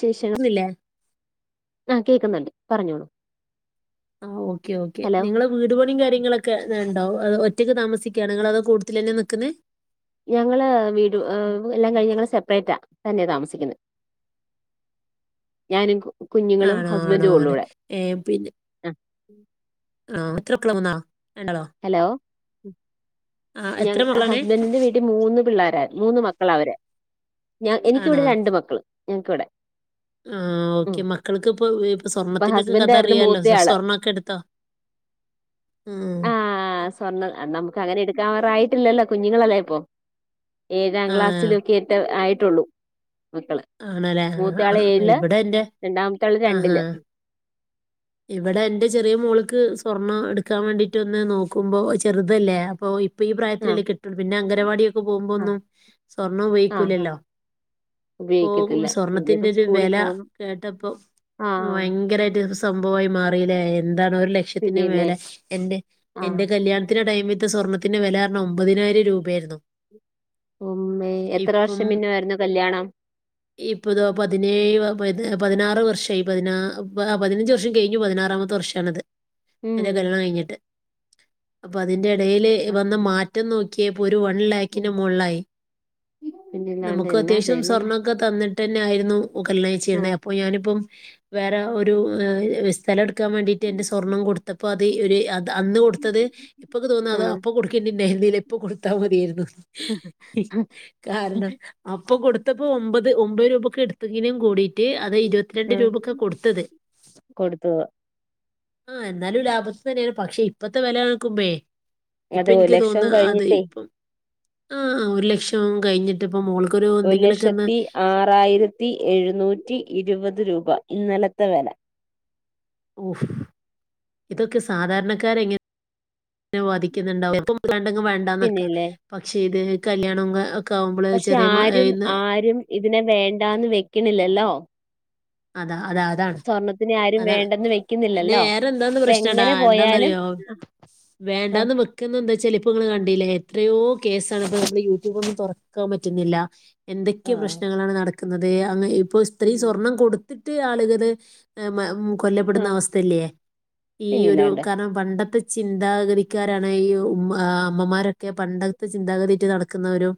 ശേഷം ല്ലേ ആഹ് കേക്ന്ന്ണ്ട് പറഞ്ഞോളു ആഹ് ഓക്കെ ഓക്കെ നിങ്ങൾ വീട്പണിയും കാര്യങ്ങളൊക്കെണ്ടോ ഒറ്റക്ക് താമസിക്കാണ് നിങ്ങള അതോ കൂട്തിൽ തന്നെ നിക്ന്ന് ഞങ്ങള് വീട് എല്ലാം കഴിഞ്ഞ് ഞങ്ങള് സെപ്പറേറ്റാ തന്നെയ താമസിക്കുന്നത്. ഞാനും കുഞ്ഞുങ്ങളും ഹസ്ബൻറും ഉള്ളൂടെ ഏഹ് പിന്നെ ആഹ് എത്രക്കളാ മൂന്നാ രണ്ടാളോ ഹലോ ആ ഞ എത്ര മക്കളാണ് ഹസ്ബൻന്റിന്റെ ന് വീട്ടിൽ ക് മൂന്ന് പിള്ളോര മൂന്ന് മക്കള അവര് ഞ ആണോ എനിക്കിവിടെ രണ്ട് മക്കള് ഞക്കിവിടെ ആഹ് ഓക്കെ മക്കൾക്ക് ഇപ്പ ഇപ്പൊ അപ്പൊ സ്വർണത്തിന്റെക്കെ ഹസ്ബൻഡ് കഥ ആയിരുന്നു അറിയാലോ മൂത്തയാള് സ്വർണ്ണൊക്കെ എടുത്തോ? [inaudible] ഉം സ്വർണം നമുക്ക് അങ്ങനെ എടുക്കറായിട്ടില്ലല്ലോ കുഞ്ഞുങ്ങളല്ലേ ഇപ്പൊ ഏഴാം ആ ക്ലാസ്സിലൊക്കെട്ട ആയിട്ടുള്ളൂ മക്കള് ആണല്ലേ മൂത്തയാള് ആഹ് ഏഴില് ഇവിടെന്റെ രണ്ടാമത്തെ ആള് ആഹഹ രണ്ടില് ഇവിടെ എന്റെ ചെറിയ മോള്ക്ക് സ്വർണ്ണം എടുക്കാൻ വേണ്ടിട്ട് ഒന്ന് നോക്കുമ്പോ ചെറുതല്ലേ അപ്പൊ ഇപ്പൊ ഈ ആ പ്രായത്തിലല്ലേ കിട്ടുള്ളൂ പിന്നെ അംഗനവാടിയൊക്കെ പോകുമ്പോ ആ ഒന്നും സ്വർണ്ണം ആ ആ ഉപയിക്കൂല്ലല്ലോ? പോകും ഉപയോഗിക്കത്തില്ല പിന്നീപ്പ സ്വർണത്തിന്റെ ഒരു സ്കൂളിൽ വെല പോന്നു കേട്ടപ്പോ ആഹ് ഭയങ്കരമായിട്ട് സംഭവമായി മാറിയില്ലേ എന്താണ് ഒരു ലക്ഷത്തിന്റെ പിന്നെല്ലേ മേലെ എന്റെ ആഹ് എന്റെ കല്യാണത്തിന്റെ ടൈംമിത്ത സ്വർണ്ണത്തിന്റെ വെലർഞ ഒമ്പതിനായിരം രൂപയായിരുന്നു. ഉമ്മേ എത്ര വർഷം പിന്നെ ആയിരുന്നു കല്യാണം? ഇപ്പത പതിനേഴ് പതിനാറ് വർഷയി പതിനാ പതിനഞ്ച് വർഷം കഴിഞ് പതിനാറാമത്തെ ദർഷണത് ഉം എന്റെ കല്യാണം കഴിഞ്ഞിട്ട് അപ്പൊ അതിന്റെ എടേൽ വന്ന അതന്നെ മാറ്റ റ്റം നോക്കിയേ പ്പോ ഒരു വൺ ഉം ലാക്കിന്റെ മോളായി പിന്നില്ലാണ്ട് നമുക്ക് എന്നാ അത്യാവശ്യം വെലയാ സ്വർണ്ണമൊക്കെ തന്നിട്ട് തന്നെ ആയിരുന്നു കല്യാണ ആഹ് കയ്ച്ചിര്ണെ അപ്പോ ഞാനിപ്പം വേറെ ഒരു ഏ ബിസ് സ്ഥലം എടുക്കാൻ വേണ്ടിട്ട് എന്റെ സ്വർണ്ണം കൊടുത്തപ്പോ അത് ഒരത് അന്ന് കൊടുത്തത് ഇപ്പൊക്കെ തോന്നുന്നു അ ആഹ് അപ്പ കൊടുത് ക്കണ്ടേയ്ര്ന്നില്ല ഇപ്പ കൊടുത്താൽ മതിയായിരുന്നു കാരണം. അപ്പൊ കൊടുത്തപ്പോ ഒമ്പത് ഒമ്പത് രൂപയ്ക്കെ എടുത്തങ്കനും കൂടി് ന്റ് അത് ഇരുപത്തിരണ്ട് ആഹ് രൂപക്കെ കൊടുത്തത് കൊടുത്തു ആഹ് ന്നാലും ലാഭത്തി തന്നെയാണ് പക്ഷെ ഇപ്പത്തെ വെല കൺക്കുമ്പേ അത് ഇപ്പ ഒരു ഇനിക്ക് ലക്ഷം തോന്നാ അതെ കഴിഞ്ഞിട്ടേ ഇപ്പം ആഹ് അ ഒരു ലക്ഷം കഴിഞ്ഞിട്ട് ഇപ്പ മോൾക്കൊരു എന്തെങ്കിലും ത്തി ആറായിരത്തി എഴുന്നൂറ്റി ഇരുപത് രൂപ ഇന്നലത്തെ വില ഓഫ് [unintelligible] ഇതൊക്കെ സാധാരണക്കാരങ്ങനെ വാധിക്കുന്നുണ്ടാവ ഇപ്പം വാണ്ടങ്കി വാണ്ടന്നക്കാ പിന്നെല്ലേ പക്ഷെ ഇത് കല്യാണം ആവുമ്പോള് പക്ഷെ ചെറിയ മ ആരും ഇന്ന് ആരും ഇതിനെ വേണ്ടാന്ന് വെക്കണില്ലല്ലോ അതാ അതാഅതാണ് സ്വർണത്തിനെ ആരും അതാണ് വേണ്ടെന്ന് പിന്നെ വെക്കുന്നില്ലല്ലോ വേറെ എന്താന്ന് ഇപ്പ പ്രശ്നടാ എങ്ങനെ പോയാലും എന്താന്നറിയോ ആഹ് വേണ്ടാന്ന് വെക്ന്ന എന്താ വെച്ചാല് ഇപ്പ നിങ്ങൾ കണ്ടില്ലേ എത്രയോ കേസാണ് ഇപം നമ്മൾ യൂട്യൂബൊക്കെ തൊറന്ന് [unintelligible] പറ്റുന്നില്ല എന്തൊക്കെ ആഹ് പ്രശ്നങ്ങളാണ് നടക്കുന്നത് അങ്ങ് ഇപ്പൊ സ്ത്രീ സ്വർണം കൊടു ത്തിട്ട് ആളുകള് എഹ് മെ മു കൊല്ലപ്പെടുന്ന ആഹ് അവസ്ഥയില്ലേ ഈ ഒരു പിന്നില്ലാണ്ട് കാരണം പണ്ടത്തെ ചിന്താഗതിക്കാരാണ് ഈ ഉമ്മ അമ്മമാരൊ ക്കെ പണ്ടത്തെ ചിന്താഗതീട്ട് നടക്കുന്നവരും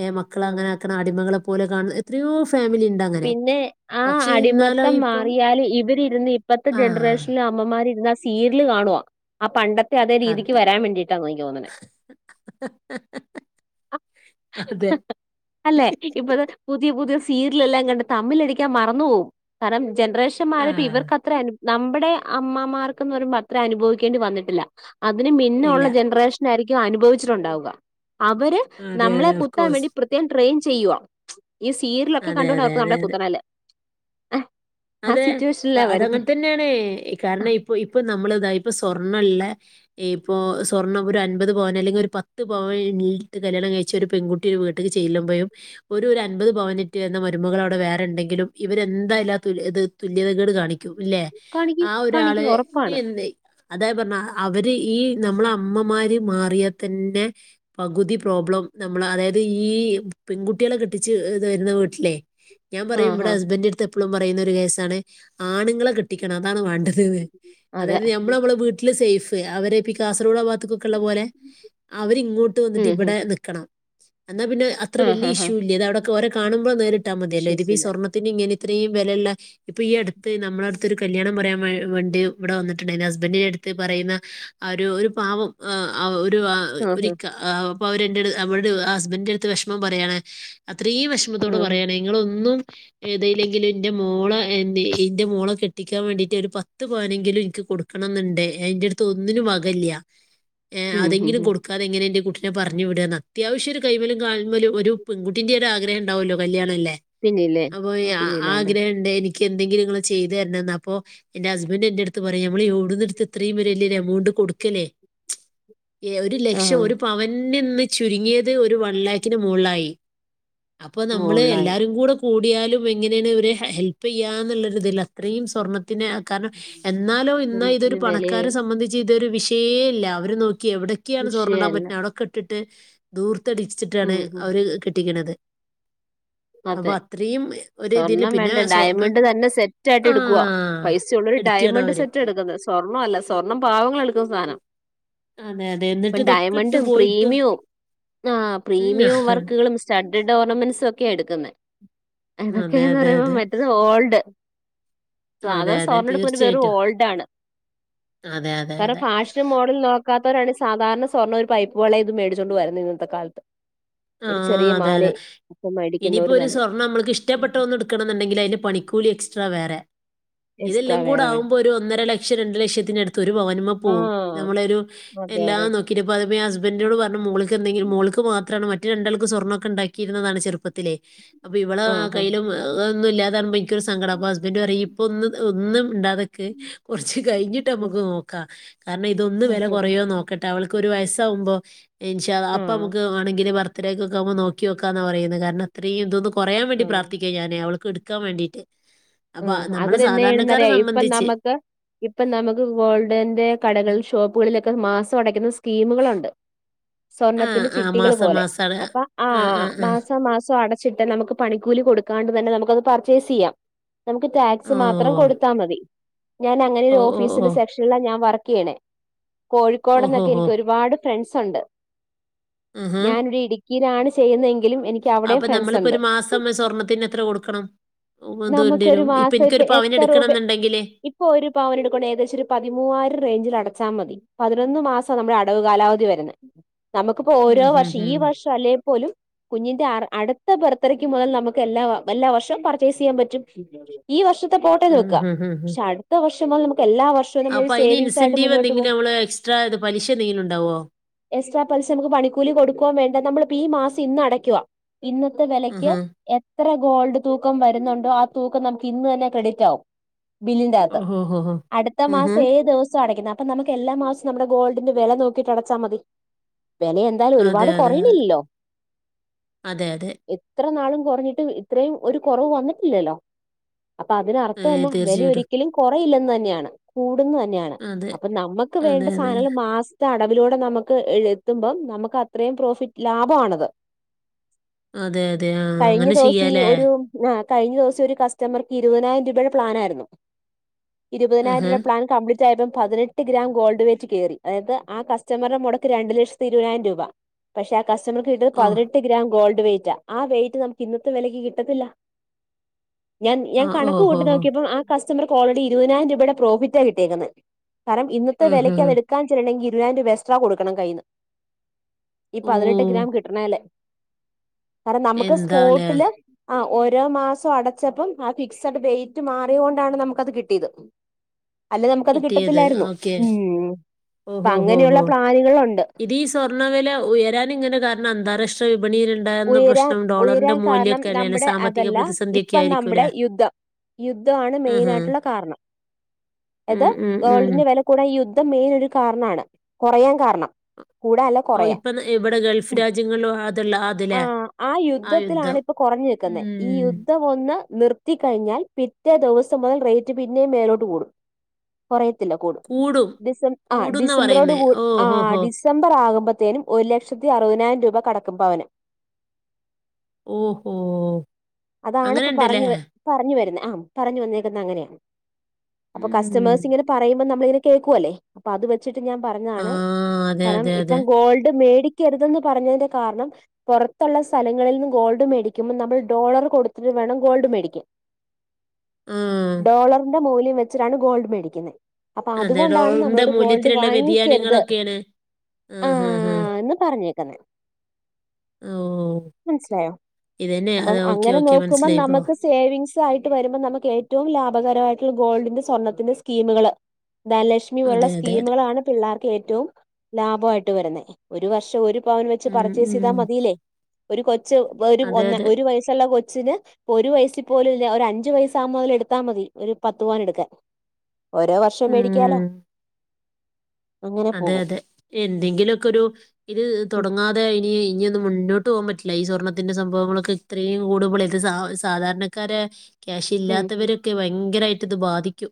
എഹ് മക്കള അങ്ങനെ ആ‌ക്കി അടിമകളെ പോലെ കാൺന്ന എത്രയോ ഫാമിലി ഇ പിന്നെ ആ അടിമത്തം ഇപ്പം മാറിയാല് ഇവരിരുന്ന് ഇപ്പത്തെ ആ ജനറേഷനില മ്മമാര് ഇരുന്നാ സീരില് കാണുവ ആ പണ്ടത്തെ അതേ രീതിക്ക് അതാ വരാൻ വേണ്ടിയിട്ടാന്നാ എനിക്ക് തോന്നണേ അതെ അല്ലെ ഇപ്പ ഇതാ പുതിയ പുതിയ സീ രിലെല്ലാം കണ്ട് തമ്മിലടിക്കാൻ മറന്നു പോവും കാരണം ജനറേഷൻ ആ മാറിയപ്പ ഇവർക്കത്ര അനു നമ്മടെ അമ്മാമാർക്കെന്നു പറയുമ്പ അത്ര അനുഭവിക്കേണ്ടി വന്നിട്ടില്ല അതിന് ഇല്ല മിന്നൊള്ള ജനറേഷ ന്നായിരിക്കും അനുഭവിച്ചിട്ടുണ്ടാവുക അവര് അതെ നമ്മളെ അതെ ഓഫ് കുത്താൻ കോഴ്സ് വേണ്ടി പ്ര ത്യേകം ട്രെയിൻ ചെയ്യുവാ ഈ സീരിലൊക്കെ അതെ കണ്ടുകൊണ്ട അതെ അവർക്ക് അതെ നമ്മളെ അതെ കുത്തണേല് ആ സിറ്റുവേഷൻല്ലാ വരുന്നെ ന്നേണേ കാരണം ഇപ്പൊ ഇപ്പൊ നമ്മൾ ഇതായ ഇപ്പൊ സ്വർണ്ണിള്ള ഇപ്പോ സ്വർണ്ണം ഒരുഅൻപത്പവൻ അല്ലെങ്കി ഒരു പത്ത് പവൻ [unintelligible] ഇട്ട് കല്യാണം കഴിച്ച ഒരു പെൺകു ട്ടി ഒരു വീട്ട്ക്ക് ചെല്ലുമ്പഴും ഒരു ഒരു അൻമ്പത് പവൻ ഇട്ട് വരുന്ന മരുമകൾ അവടെ വേറെ ഇണ്ടെങ്കിലും ഇവരെന്തായാലും തുല്യത് തുല്യതകേട് കാണിക്കും ഇല്ലേ കാണിക്കും ആ ഒരാളെ കാണിക്കും ഉറപ്പാണ് [unintelligible] അതാ പറഞ്ഞെ അവര് ഈ നമ്മള അമ്മമാര് മാറിയാ തന്നെ പകുതി പ്രോബ്ലം നമ്മള് അതായത് ഈ പെൺകുട്ടികളെ കെട്ടിച്ച് ഇത് വരുന്ന വീട്ടിലേ ഞാൻ പറയും ആഹ് ഇവിടെ ആഹ് ഹസ്ബൻഡടുത്ത് എപ്പളും പറയുന്ന ഒരു കേസാണ് ആണുങ്ങളെ കെട്ടിക്കണം അതാണ് വാണ്ട തിത് അതെ അതായത് ഞമ്മള് ഞമ്മളെ വീട്ടില് സേഫ് അവരേപ്പി കാസർഗോഡ് ആ ഭാഗ ത്തൊക്കൊക്കെള്ള പോലെ അവരിങ്ങോട്ട് വന്നിട്ട് ഉം ഇവടേ ഹും നിക്കണം എന്നാ പിന്നേ അത്ര ആഹ് വല്യ ആഹ് ആഹ് ഇഷ്യൂ ഇല്ല ഇതവിടൊക്കെ ഓരെ കാണുമ്പൊ നേരിട്ടാ മതിയല്ലോ ഇതിപ്പൊ ഈ ഇഷ്യൂസില്ല സ്വർണത്തിന് ഇങ്ങനെ ഇത്രേം വെലെള്ള ഇപ്പൊ ഈ അടുത്ത് നമ്മുടെ അടുത്തൊരു കല്യാണം പറയാൻവേ വേണ്ടി ഇവിടെ വന്നിട്ടിണ്ടാരുന്നു ഹസ്ബൻന്റ് എടുത്ത് പറയുന്ന ആഹ് ഒരു ഒരു പാവം ആഹ് അഹ് ഒ രു ആഹ് ഒരിക്ക ആഹ് അപ്പൊ അവരിന്റടു അവിട് ഹസ്ബൻന്റടുത്ത് വിഷമം പറയാണ് അത്രീം വെഷ മത്തോട് ആഹ് പറയാണ് ഇങ്ങളൊന്നും എയ്തില്ലെ ങ്കിലും ഇൻ്റെ മോളെ [unintelligible] ഇൻ്റെ മോളെ കെട്ടിക്കാൻ വേണ്ടീട്ട് ഒരു പത്ത് പവനെങ്കിലും എനിക്ക് കൊടു ക്കണംന്നെണ്ട് എയ്ന്റടത്ത് ഒന്നിനും വക ഇല്ല്യ ഏഹ് ഉം ഹും അതെങ്കിലും ഹും കൊടു ക്കാതെങ്ങനെ എന്റെ കുട്ടിനെ പറഞ്ഞുവിടാന്ന് അത്യാവശ്യം ഒരുകൈമ്മലും കാൽമ്മലും ഒരു പെൺകുട്ടിന്റെ ഒരു ആഗ്രഹം എണ്ടാവല്ലോ കല്യാണല്ലേ പിന്നില്ലേ ആഹ് പിന്നില്ലാണ്ട് എണ്ട് എനിക്ക് എന്തെങ്കിലും നിങ്ങള് ചെയ്ത് തരണംന്ന് അപ്പോ എന്റെ ഹസ്ബൻഡ് എന്റെടു ടുത്ത് പറയാ നമ്മളെവിടുന്നെടുത്ത് ഇത്രയും വരെ വല്ല്യൊരു എമൗണ്ട് കൊടുക്കല്ലേ ഏഹ് ഒരു ലക്ഷം ആഹ് ഒരു പവന്ന് ഇന്ന് ചുരുങ്ങിയത് ഒരു വൺ ലാക്കിന് മോൾലായി അപ്പൊ നമ്മള് മോളിലായി എല്ലാരും കൂടെ കൂടിയാലും എങ്ങനേണ് ഇവരെ ഹെ ഹെൽപ്പെയ്യാന്നുള്ള ഒരുതിലാ അത്രയും സ്വർണ്ണ ത്തിന് കാരണം എന്നാലോ ഇന്ന ഇതൊരു സ്വർണത്തിന് വില പണക്കാരെ സംബന്ധി ച്ച് ഇതൊരു വിഷയേ ഇല്ല അവരെ നോക്കിയേ എവിടൊക്കെയാണ് സ്വർണ്ണ ഇടാൻ വിഷയല്ല പറ്റണത് അവിടൊക്കെ ഇട്ടിട്ട് ധൂർത്തടി ച്ചിട്ടാണ് ഉം ഹും അവര് കെട്ടിക്കണത് അപ്പ അത്രയും ഒരു ഇതില് സ്വർണ്ണം പിന്നെ വേണ്ട സ്വർണ്ണ ഡയമണ്ട് തന്നെ സെറ്റായ്ട്ട് ആ എടുക്കുവാ പൈസ ഒള്ളോര് എടുക്കുകയാണ് ഡയമണ്ട് അവര് സെറ്റ് എട്‌‌ക്കിന്നെ സ്വർണ്ണവല്ല സ്വർണ്ണം പാവങ്ങള് എടു‌ക്കുന്ന സാനം അതെ അതെ ഇപ്പ എന്നിട്ട് ഇതൊക്കെ ഇട്ട് ഡയമണ്ടും പോയിട്ട് പ്രീമിയോം ആഹ് ഉം, ആ, പ്രീമിയോം വർക്കുകളും. സ്റ്റ്ഡഡ് ഓർണമെന്റ്സും ഒക്കെയാ എട്‌ക്കുന്നെ. അതെ അതൊക്കേന്ന് അതെ പറയുമ്പോ അതെ മറ്റത് ഓൾഡ്. സാധാ അതെ അതെ സ്വർണ്ണം എട്ക്കുന്നവര് ‌ വെറും തീർച്ചയായിട്ടും ഓൾഡാണ് അതെ അതെ കാരണം അതെ ഫാഷനും മോഡലും നോ കാത്തവരാണ് സാധാരണ സ്വർണം ഒര് പൈപ്പ് വളേം ഇതും മേടിച്ചോണ്ട് വര്ന്നെ ഇന്നത്തെ കാലത്ത്. ഒര് ചെറിയ മാലേം ഇനിയിപ്പോൊ ഒരു സ്വർണ്ണം നമ്മൾക്ക് ഇനിപ്പ ഒര് സ്വർണം നമ്മള്ക്ക് ഇഷ്ടപ്പെട്ട ഒന്ന് എട്‌ക്കണംന്ന്ണ്ടെങ്കില് അയ്ന് പണിക്കൂലി എക്സ്ട്രാ വേറെ എക്സ്ട്രാ ഇതെല്ലാം കൂടെ വേറെ വേണം ആവ്മ്പോ ഒര് ഒന്നര ലക്ഷം രണ്ടു ലക്ഷത്തിനടുത്ത് ഒര് പവന് മെ പോവും ആഹ് നമ്മളൊരു [unintelligible] ആഹ് നോക്കിട്ട്പറ ഹസ്ബൻന്റിനോട്‌ പറഞ്ഞു മോള് എന്തെങ്കിലും മോൾക്ക് മാത്രാണ് മ മറ്റെ രണ്ടാൾക്കും സ്വർണ്ണൊക്കെണ്ടാക്കിയിരുന്നതാണ് ചെറുത്തിലെ അപ്പൊ ഇവളെ ആഹ് കൈയിലും ഒന്നും ഇാല്ലാതെ കാണുമ്പോ ഇൻ ക്ക് ഒര് സങ്കടം ഹസ്ബന്റെ പറയും ഇപ്പ ഒന്ന് ഒന്നും മിണ്ടാതൊക്ക് കൊറച്ച് കഴിഞ്ട്ട് ഉം നമ്മക്ക് നോക്കാം. കാരണം ഇതൊന്ന് വെല കൊറയോ നോക്കട്ടെ അവൾക്ക് ഒര് വയസാവ്മ്പോ ഇൻ ഷാ അള്ളാ ഉം അപ്പ ആഹ് നമ്മക്ക് വാണെങ്കില് വർ അത്രക്കെമ്പോ നോക്കിയൊക്കാന്നാ പറയ്ന്നെ കാരണം അത്രയും ഇതൊന്ന് കൊറയാൻവേണ്ടി പ്രാർത്ഥിക്കാ ഞാന് അവൾക്കെടുത്ത് ക്കാൻ വാണ്ടീറ്റ് ആഹ് അതിന്നെന്നാചെയ്യണെന്നറിയൊ ഇപ്പം സംബന്ധിച്ച്. നമ്മക്ക് ഇപ്പം നമക്ക് ഗോൾഡന്റെ കടകളിൽ ഷോപ്പുകളിലൊക്കെ മാസം അടയ്ക്കുന്ന സ്കീമ്കളൊണ്ട് ആ സ്വർണത്തിന്റെ ആ ചിട്ടികള് മാസം പോലെ മാസാണ്. അപ്പൊ ആ ആ ആഹ് ആ. മാസം മാസം അടച്ചിട്ടാ നമ്ക്ക് പണിക്കൂലി കൊടുക്കാണ്ട് തന്നെ നമുക്കത് പർച്ചേസ്ചെയ്യാം. നമുക്ക് ടാക്സ് ഓ. മാത്രം കൊടുത്താമതി ഞാൻ അങ്ങനെ ഓ ഒര് ഓ ഓ. ഓഫീസിന്റെ സെക്ഷ ക്ഷനിലാ ഞാൻ വർക്ക്യ്യണേ കോഴിക്കോട്ന്നൊക്കെ ഓഹോഹോ. എനിക്ക് ഒര്പാട് ഫ്രണ്ട്സൊണ്ട്. ആഹാ. ഞാൻ ഇവ്ടെ ഇട്‌ക്കിലാണ് ചെയ്യുന്നെങ്കിലും എനിക്ക് അവ്ടെ ഫ്രണ്ട്സൊണ്ട്. പ്പമ്മ സ്വർണ്ണത്തിന് എത്ര കൊടുക്കണം നമുക്കൊരു എന്ത്‌വാണ്ടിവരും ഇപ്പ മാസം ഇനിക്കൊര് ഇപ്പൊ പവൻ എത്ര രൂപ എടുക്കണംന്ന്ണ്ടെങ്കില്? ഇപ്പൊ ഒര് പവൻ എട്‌ക്ക് വാണെ ഏകദേശം ഒര് പതിമൂവായിരം റേഞ്ചിൽ അടച്ചാൽ മതി. പതിനൊന്ന് മാസാ നമ്മടെ അടവ് കാലാവധി വര്ന്നെ നമുക്ക്പ്പോ ഉം ഓരോ ഹും വർഷം ഹും. ഈ വർഷം അല്ലേപോലും കുഞ്ഞിന്റെ അറ് അട്‌ത്ത ബർത്ത്ഡേക്ക് മുതൽ നമ്ക്ക് എല്ലാ എല്ലാവർഷോം പർച്ചേസ് ചെയ്യാൻ പറ്റും ഈ വർഷത്തെ പോട്ടെന്ന് ഉം വെക്ക ഹും പക്ഷേ അട്‌ത്ത വർഷം മുതല് നമുക്കെല്ലാവർഷ് അപ്പ അയ്ന് ഇൻസൻറീവ് എന്തെങ്കിലും നമ്മള് എക്സ്ട്രാ ഇത് പലിശ എന്തെിലും ഉണ്ടാവോ? എക്സ്ട്രാ പല്ശ നമ്ക്ക് പണിക്കൂലി കൊടുക്കുവേംവേണ്ട നമ്മളിപ്പോ ഈ മാസം ഇന്ന് അടക്ക് വാ ഇന്നത്തെ വെലയ്ക്ക് ആഹാ. എത്ര ഗോൾഡ് തൂക്കം വര്ന്നൊണ്ടോ അ തൂക്കം നമ്ക്ക് ഇന്ന് തന്നെ ക്രെഡിറ്റാവും ബില്ലിന്റെത്ത് ഓഹോഹോ. അട്‌ത്ത ഉം മാസം ഹും. ഏത് ദിവ ച്ചാ അടക്കുന്നെ അപ്പ നമ്ക്ക് എല്ലാ മാസോം നമ്മടെ ഗോൾഡിന്റെ വെല നോക്കിട്ടടച്ചാമതി വെലയൊ എന്തായാലും അതെ ഒര്പാട് അതെ. കൊറയ്ണില്ലല്ലോ? അതെ അതെ ഇത്രനാളും കൊറഞ്ഞിട്ടും ഇത്രയും ഒര് കൊറവ് വന്നിട്ടില്ലല്ലോ? അപ്പൊ ഏ അതിനർത്ഥം എന്നാ വെല തീർച്ചയായിട്ടും. ഒരിക്കലും കൊറയില്ലെന്ന് തന്നെയാണ് കൂടുന്ന്തന്നെയാ ണ് അതെ. അപ്പ നമ്മക്ക് വേണ്ട അതെ അതെ. സാനങ്ങള് മാസ് ത്തെ അടവിലൂടെ നമ്ക്ക് എഴ് എത്ത്മ്പം നമ്ക്ക് അത്രയും പ്രോഫിറ്റ് ലാഭാണത് അതെ അതെ ആഹ് അങ്ങനെ ചെയ്യാലേ? ആഹ് കഴ്ഞ്ഞ ദിവസം ഒര് കസ്റ്റമർക്ക് ഇര്പതിനായിരം രൂപടെ പ്ലാനാരുന്നു. ആഹാ. ഇര്പതിനായിരംരൂപാ പ്ലാൻ കപ്ലീ റ്റായപ്പം പതിനെട്ട് ഗ്രാം ഗോൾഡ് വേറ്റ് കേറി അതായത് ആ കസ്റ്റമറ്ടെ മൊടക്ക് രണ്ട്ലക്ഷത്തി ഇര്പതിനായിരം രൂപാ പഷേ ആ കസ്റ്റമർക്ക് കിട്ടത് ഓ. പതിനെട്ട് ഗ്രാം ഗോൾഡ് വെയിറ്റാ ആ വെയിറ്റ് നമ്ക്ക് ഇന്നത്തെ വെലക്ക് കിട്ടത്തില്ല. ഞാൻ ഞാൻ ആഹ് കണക്ക് ഓഹോ കൂട്ടി ഹോ നോക്കിയപ്പം ആ കസ്റ്റമർക്ക് ഓൾറെഡി ഇര്പതിനായിരം രൂപേടെ പ്രോഫിറ്റാ കിട്ടിയെക്കുന്നെ കാരം ഇന്നത്തെ ഉം ഹ് വെലക്ക് ഹ് അതെട്ക്കാൻ ചെല്ലണെങ്കി ഇര്പതിനായിരം എസ്ട്രാ കൊടുക്കണം കൈന്ന് ഈ ഓ പതിനെട്ട് ഗ്രാം കിട്ടണല്ലേ കാരണം നമുക്ക് എന്താലേ സ്പോട്ടില് ആ ഓരോ മാസം അടച്ചപ്പം ആ ഫിക്സഡ് ഡേറ്റ് മാറി കൊണ്ടാണ് നമുക്ക്ത് കിട്ടിയത് അല്ല നമുക്കത് കിട്ടത്തില്ലായിരുന്നു ഉം ഉം അപ്പൊ ഉം ഉം അങ്ങനെയുള്ള ഉം പ്ലാനുകളുണ്ട് ഇത് ഈ സ്വർണ്ണവില ഉയരാൻ ഇങ്ങനെ കാരണം അന്താരാഷ്ട്ര വിപണിയില ഉയരാൻ ഉയരാൻ കാരണം അല്ലേനെ നമ്മുടെ സാമ്പത്തിക അതല്ല പ്രതിസന്ധിയൊക്കെ ഇപ്പം നമ്മുടെ ആയിരിക്കൂലേ യുദ്ധം യുദ്ധാണ് ഉം ഹ് മെയ്നയിട്ടുള്ള കാരണം ഉം അത് ഉം ഉം ഗേൾഡിന്റെ വില കൂടെ യുദ്ധം മെയിൻ ഒരു കാര്ണാണ്. കൊറയാൻ കാരണം. കൂടാല്ല ഓഹ് കുറയാൻ ഇപ്പം ഇവിടെ ഗൾഫ് രാജ്യങ്ങൾ ളോ അതല്ലാന്ന്. ആഹ് ആ യുദ്ധത്തിലാണ് ഇപ്പൊ കൊറഞ്ഞു നിൽക്കുന്നെ. ഈ ഉം യുദ്ധം ഒന്ന് നിർത്തി കഴിഞ്ഞാൽ പിറ്റേ ദിവ്സം മുതൽ റേറ്റ് പിന്നേം മേലോട്ട് കൂടും. കുറയത്തില്ല കൂടും. ഡിസം ആഹ് കൂടുംന്നാ ഡിസംബറോട് പറയുന്നേ കൂട് ഓ ആ ഹോ ഹോ ഡീസ് ഡിസംബറ് ആകുമ്പോത്തേനും ഒരു ലക്ഷത്തി അറുപതിനായിരം രൂപ കടക്കും പവന്. ഓഹോ ഹൊ? അതാണിപ്പ പറഞ്ഞുവ് പറഞ്ഞു വരുന്ന് ആഹ് പറഞ്ഞു വന്നേക്കുന്നത് അങ്ങനെയാണ്. അപ്പൊ ഉം കസ്റ്റമേഴ്സ് ഇങ്ങെ പറയുമ്പം നമ്മളങ്ങനെ കേൾക്കുവല്ലേ? അപ്പൊ അത് വെച്ചിട്ട് ഞാൻ പറഞ്ഞതാണ്. ആഹ് അതെ കാരം അതെ ഇപ്പം അതെ ഗോൾഡ് മേടി കരുതെന്ന് പറഞ്ഞതിന്റെ കാരണം. പുറത്തുള്ള സ്ഥലങ്ങളിന്ന് ഗോൾഡ് മേടിക്കുമ്പോൾ നമ്മൾ ഡോളർ കൊടുത്തിട്ട് വേണം ഗോൾഡ് മേടിക്കാൻ. ആഹ് ഡോളർ പമൂല്യം വച്ചിട്ടാണ് ഗോൾഡ് മേടിക്കുന്ന് അപ്പൊ അതെ അതുകൊണ്ടാണ് ഡോളറിന്റെ നമ്മളോട് ഗോൾഡ് മൂല്യത്തിലുള്ള വാങ്ങിക്കരുത്. ഉഹു ഉഹു ന്ന്പറഞ്ഞിര്കന്നേ ഓ മനസിലായോ? ഇതന്നെ അഅപോ അതെ ഓക്കെ ങ്ങനെ ഓക്കെ നോക്കുമ്പോ മനസ്സിലായി ഇപ്പോ. നമക്ക് സേവിങ്സ് ആയിട്ട് വരുമ്പോ നമുക്ക് ഏറ്റവും ലാഭകരായിട്ട് ഗോൾഡിന്റെ സ്വർണത്തിന്റെ സ്കീമ്കള് ധനലക്ഷ്മി പോലുള്ള അതെ അതെ അതെ. സ്കീമുകളാണ് പിള്ളേർക്ക് ഏറ്റവും ലാഭായിട്ട് വരുന്ന്. ഒരു വർഷം ഒരു പവൻ വെച്ച് ഉം പർച്ചേസ് ഉം. ചെയ്താ മതിയില്ലേ? ഒരു കൊച്ച് വേരു അതെ വൊന്നെ അതെ. ഒരു വയസ്സ് ള്ള കൊച്ചി ഒരു വയസിൽ പോലുംല്ല ഒരു അഞ്ചു വയസാവുമ്പോ മുതൽ എടുത്താ മതി ഒരു പത്ത് പവൻ എടുകാൻ [unintelligible] ഓരോ വർഷം മേടിക്കാലോ? ഉം. അങ്ങനെ അതെ പോകും അതെ എന്തെങ്കിലുക്കെരു ഇത് ഉം തുടങ്ങാതെ ഇനി ഇഞോന്നും മുന്നോട്ട് പോകാൻ പറ്റില്ല. ഈ സ്വർണ്ണത്തിന്റെ സംഭവങ്ങളൊക്കെ ഇത്രയും കൂടുമ്പോൾ ഇത് സ സാധാരണക്കാര ഉം ഉം ക്യാഷില്ലാത്തവരൊക്കെ ഭയങ്കരായിട്ട് ഇത് ബാധിക്കും.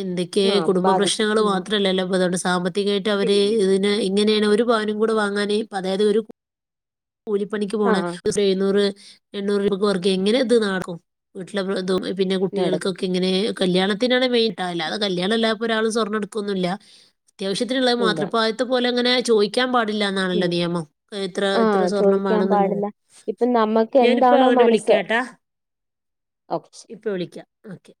എന്തൊക്കെയ ആഹ് കുടുംബ ബാധിക്കും പ്രശ്നങ്ങൾ ഉം മാത്രല്ലല്ലോ പ്പഅതൊണ്ട്. സാമ്പത്തികായിട്ട് അവര് പിന്നില്ലേ ഇതിന് ഇങ്ങനെയാണ് ഒരു രുപവനും കൂടെ വാങ്ങാാന്. അതായത് ഒരു കൂലിപ്പണിക്ക് പോണ ആഹ് എഴുന്നൂറ് എണ്ണൂറ് രൂപക്ക് വർക്ക് എങ്ങനെ ഇത് നടക്കും. വീട്ടിലെതും പിന്നെ നടക്കും കുട്ടികൾക്കൊക്കെ ഇങ്ങനെ കല്യാണത്തിനാണ് മെയിൻ, അല്ലാതെ കല്യാണം ഇല്ലാതെ ഒരാളും സ്വർണ്ണം എട്ക്കൊന്നുല്ല. അത്യാവ്യനുള്ളത് ഇല്ല മാത്രം. ഇപ്പോ ആദ്യത്തെ പോലെങ്ങനെ ചോയി ക്കാൻ പാടില്ല എന്നാണല്ലോ ഉം നിയമം. ഇത്ര ആഹ് ഇത്രസ്വർണം ചോദിക്കാൻ വാണെന്നുള്ളത്. പാടില്ല ഇപ്പൊ നമ്മക്ക് ഞാനിപ്പോ എന്താണോ അങ്ങട് മനസ്സ് വിളിക്കാട്ടാ. ഓക്കെ ശരി ഇപ്പൊ വിളിക്കാം ഓക്കെ.